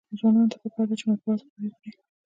ځوانانو ته پکار ده چې، مطبوعات قوي کړي.